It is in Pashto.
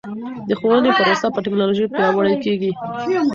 د ښوونې پروسه په ټکنالوژۍ پیاوړې کیږي.